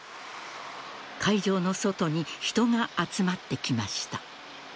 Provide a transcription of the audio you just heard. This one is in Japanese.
会場の外に人が集まってきました。